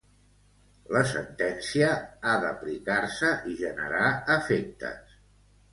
La sentència ha d'aplicar-se i generar efectes.